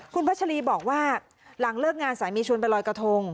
คุณพัชรีบอกว่าหลังเลิกงานสามีชวนไปลอยกระทง